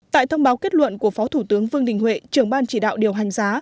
tại thông báo kết luận của phó thủ tướng vương đình huệ trưởng ban chỉ đạo điều hành giá